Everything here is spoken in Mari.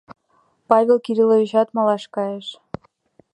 Павел Кирилловичат малаш кайыш.